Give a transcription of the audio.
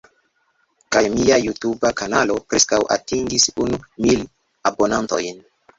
Kaj mia Jutuba kanalo preskaŭ atingis unu mil abonantojn.